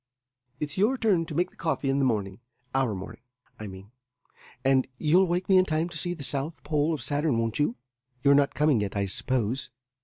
It's your turn to make the coffee in the morning our morning, I mean and you'll wake me in time to see the South Pole of Saturn, won't you? You're not coming yet, I suppose?"